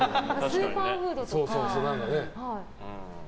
スーパーフードとか。